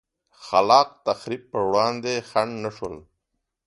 خلا ق تخریب پر وړاندې خنډ نه شول.